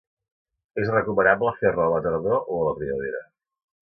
És recomanable fer-la a la tardor o a la primavera